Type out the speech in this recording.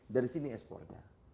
dari sini ekspornya